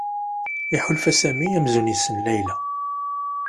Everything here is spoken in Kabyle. Iḥulfa Sami amzun yessen Layla.